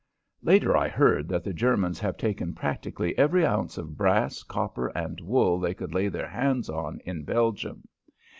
Later I heard that the Germans have taken practically every ounce of brass, copper, and wool they could lay their hands on in Belgium.